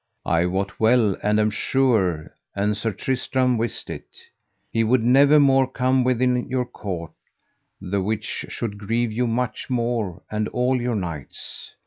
I wot well and am sure, an Sir Tristram wist it, he would never more come within your court, the which should grieve you much more and all your knights.